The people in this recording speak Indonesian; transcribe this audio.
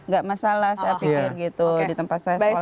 gak masalah saya pikir gitu di tempat saya sekolah